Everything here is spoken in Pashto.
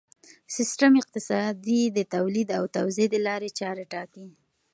سیستم اقتصادي د تولید او توزیع د لارې چارې ټاکي.